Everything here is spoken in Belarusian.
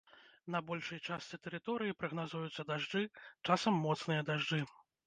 На большай частцы тэрыторыі прагназуюцца дажджы, часам моцныя дажджы.